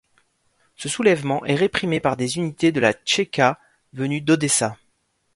Ce soulèvement est réprimé par des unités de la Tchéka venues d'Odessa.